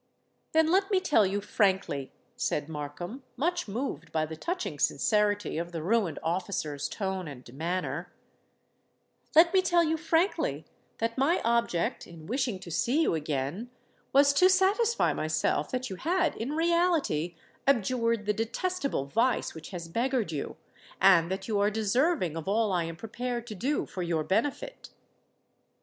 "Then let me tell you frankly," said Markham, much moved by the touching sincerity of the ruined officer's tone and manner,—"let me tell you frankly that my object, in wishing to see you again, was to satisfy myself that you had in reality abjured the detestable vice which has beggared you, and that you are deserving of all I am prepared to do for your benefit."